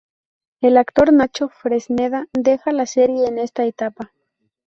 El actor Nacho Fresneda deja la serie en esta etapa.